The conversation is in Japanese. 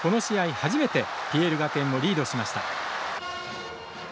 初めてＰＬ学園をリードしました。